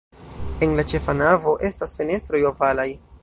En la ĉefa navo estas fenestroj ovalaj.